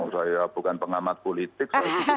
saya bukan pengamat politik